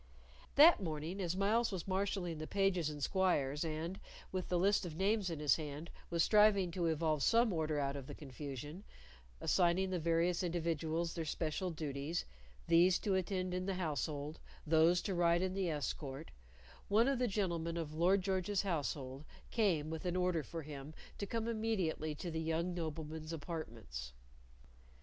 That morning, as Myles was marshalling the pages and squires, and, with the list of names in his hand, was striving to evolve some order out of the confusion, assigning the various individuals their special duties these to attend in the household, those to ride in the escort one of the gentlemen of Lord George's household came with an order for him to come immediately to the young nobleman's apartments.